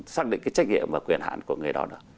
xác định cái trách nhiệm và quyền hạn của người đó được